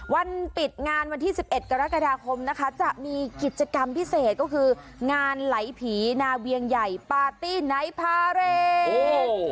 วันปิดงานวันที่๑๑กรกฎาคมนะคะจะมีกิจกรรมพิเศษก็คืองานไหลผีนาเวียงใหญ่ปาร์ตี้ไนท์พาเรท